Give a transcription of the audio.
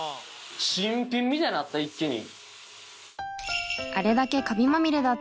新品みたいになった一気に。